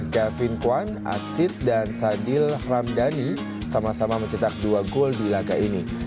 kevin kwan atsit dan sadil ramdhani sama sama mencetak dua gol di laga ini